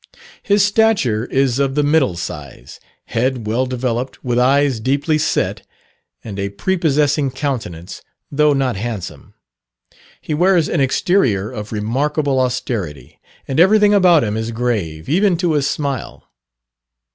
His stature is of the middle size, head well developed, with eyes deeply set, and a prepossessing countenance, though not handsome; he wears an exterior of remarkable austerity, and everything about him is grave, even to his smile.